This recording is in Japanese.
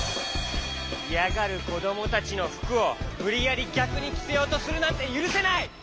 いやがるこどもたちのふくをむりやりぎゃくにきせようとするなんてゆるせない！